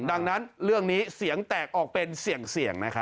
ดังนั้นเรื่องนี้เสียงแตกออกเป็นเสี่ยงนะครับ